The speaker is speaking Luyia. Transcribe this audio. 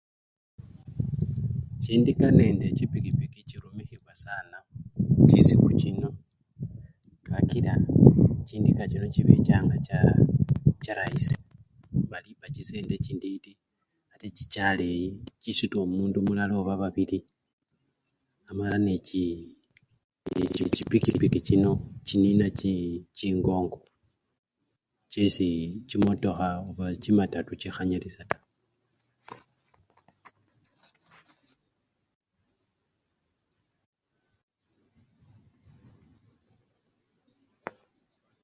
Chindika nende chipikipiki chirumikhibwa sana chisiku chino kakaila chindika chino chibechanga chaa! charayisi, balipa chisendi chintiti ate chicha aleyi, chisuta omundu mulala oba babili, amala nechi! chipikipiki chino chin! chinina chingongo chesi chimatoka! chimatatu chino chikhanyalisya taa.